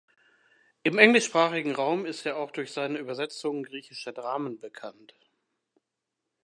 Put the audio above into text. Im englischsprachigen Raum ist er auch durch seine Übersetzungen griechischer Dramen bekannt.